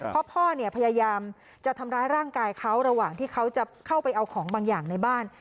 เพราะพ่อเนี่ยพยายามจะทำร้ายร่างกายเขาระหว่างที่เขาจะเข้าไปเอาของบางอย่างในบ้าน